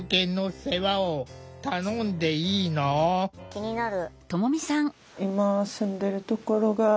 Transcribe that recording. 気になる。